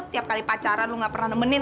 tiap kali pacaran lo nggak pernah nemenin